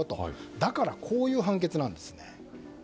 だから、こういう判決です。